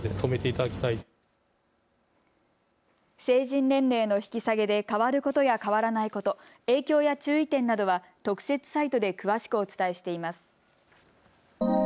成人年齢の引き下げで変わることや変わらないこと、影響や注意点などは特設サイトで詳しくお伝えしています。